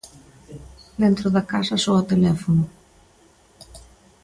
Dentro da casa soa o teléfono.